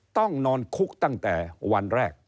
ต้องนอนคุกตั้งแต่วันแรก